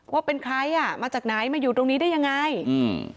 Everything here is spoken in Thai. ว่าเป็นใครอ่ะมาจากไหนมาอยู่ตรงนี้ได้ยังไงอืม